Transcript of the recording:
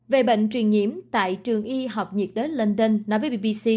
về bệnh truyền nhiễm tại